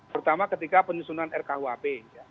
pertama ketika penyusunan rkuap